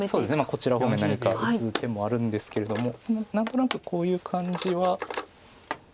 こちら方面何か打つ手もあるんですけれども何となくこういう感じは。